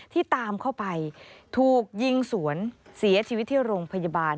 ที่ตามเข้าไปถูกยิงสวนเสียชีวิตที่โรงพยาบาล